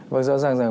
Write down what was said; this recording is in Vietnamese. vâng rõ ràng rằng